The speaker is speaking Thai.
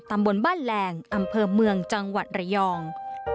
ตำบลบ้านแหลงอำเภอเมืองจังหวัดระยอง